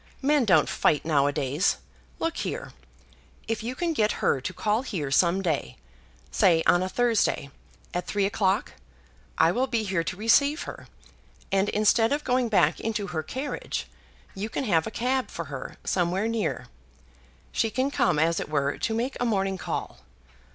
Men don't fight nowadays. Look here! If you can get her to call here some day, say on Thursday, at three o'clock, I will be here to receive her; and instead of going back into her carriage, you can have a cab for her somewhere near. She can come, as it were, to make a morning call."